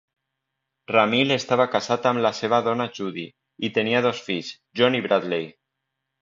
Ramil estava casat amb la seva dona Judy, i tenia dos fills, Jon i Bradley.